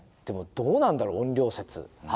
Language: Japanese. でもどうなんだろう怨霊説。